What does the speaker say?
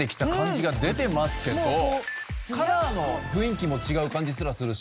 カラーの雰囲気も違う感じすらするし。